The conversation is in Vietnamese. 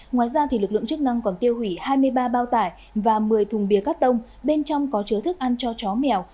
ngoài ra lực lượng chức năng còn tiêu hủy hai mươi ba bao tải và một mươi thùng bìa cắt tông bên trong có chứa thức ăn cho chó mèo